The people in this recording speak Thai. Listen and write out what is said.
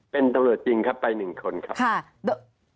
เป็นตำรวจจริงครับไป๑คนครับ